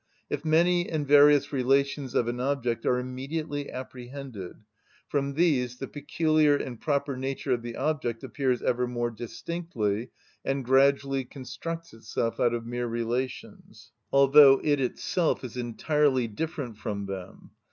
If many and various relations of an object are immediately apprehended, from these the peculiar and proper nature of the object appears ever more distinctly, and gradually constructs itself out of mere relations: although it itself is entirely different from them.